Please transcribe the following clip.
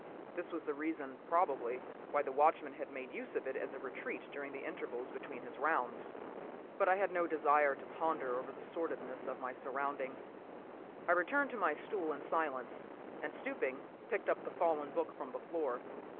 This was the reason, probably, why the watchman had made use of it as a retreat during the intervals between his rounds. But I had no desire to ponder over the sordidness of my surroundings. I returned to my stool in silence, and stooping, picked up the fallen book from the floor.